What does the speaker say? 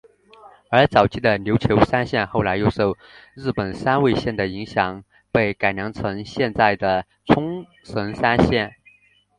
而早期的琉球三线后来又受日本三味线的影响被改良成现在的冲绳三线。